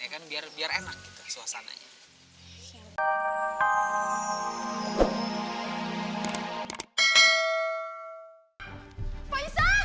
ya kan biar enak gitu suasananya